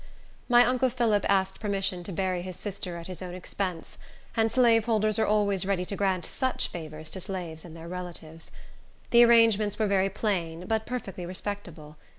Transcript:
My uncle Phillip asked permission to bury his sister at his own expense; and slaveholders are always ready to grant such favors to slaves and their relatives. The arrangements were very plain, but perfectly respectable.